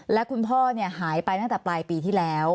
และคุณพ่อหายไปตั้งแต่ปลายปีที่แล้ว